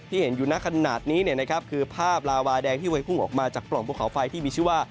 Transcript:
เห็นอยู่หน้าขนาดนี้คือภาพลาวาแดงที่วยพุ่งออกมาจากปล่องภูเขาไฟที่มีชื่อว่า